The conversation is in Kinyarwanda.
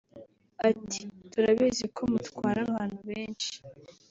Ati” Turabizi ko mutwara abantu benshi